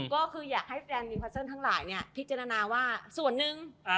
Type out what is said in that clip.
ก็คืออยากให้แบรนด์วีฟัสเซิร์นทั้งหลายเนี่ยพิจารณาว่าส่วนหนึ่ง